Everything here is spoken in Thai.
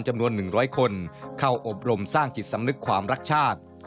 จำนวน๑๐๐คนเข้าอบรมสร้างจิตสำนึกความรักชาติ